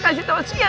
kalau ibu april pergi